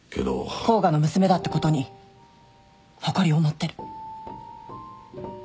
甲賀の娘だってことに誇りを持ってる。